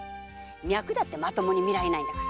脈だってまともに診られないんだから。